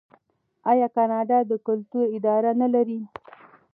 آیا کاناډا د کلتور اداره نلري؟